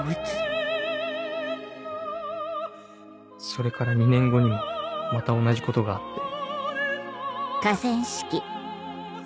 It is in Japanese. それから２年後にもまた同じことがあって。